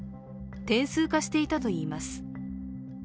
点数化していたといいます。